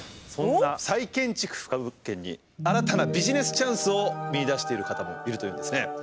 そんな再建築不可物件に新たなビジネスチャンスを見いだしている方もいるというんですね。